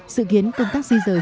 sự kiến công tác di rời